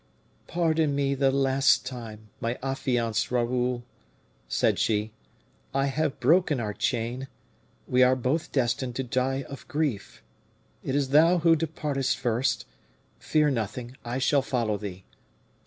"Pardon me the last time, my affianced Raoul!" said she. "I have broken our chain; we are both destined to die of grief. It is thou who departest first; fear nothing, I shall follow thee.